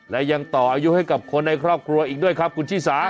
และยังต่ออายุให้กับคนในครอบครัวอีกด้วยครับคุณชิสา